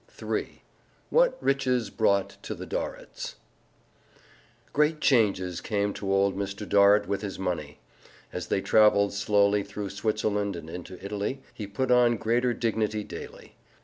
III WHAT RICHES BROUGHT TO THE DORRITS Great changes came to old Mr. Dorrit with his money. As they traveled slowly through Switzerland and into Italy, he put on greater dignity daily.